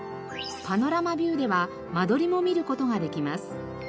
パノラマビューでは間取りも見る事ができます。